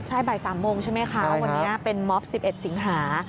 ใช่บ่าย๓โมงใช่ไหมคะวันนี้เป็นม็อบ๑๑สิงหา